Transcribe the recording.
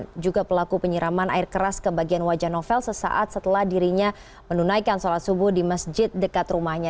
yang juga pelaku penyiraman air keras ke bagian wajah novel sesaat setelah dirinya menunaikan sholat subuh di masjid dekat rumahnya